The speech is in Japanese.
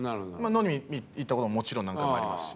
飲みに行った事ももちろん何回もありますし。